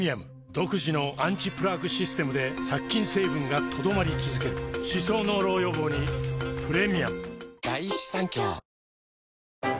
独自のアンチプラークシステムで殺菌成分が留まり続ける歯槽膿漏予防にプレミアムあー